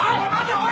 おい！